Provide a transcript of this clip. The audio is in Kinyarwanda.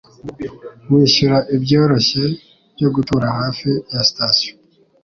Wishyura ibyoroshye byo gutura hafi ya sitasiyo.